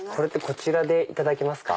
こちらでいただけますか？